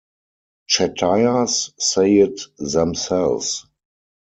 Chettiars say it themselves.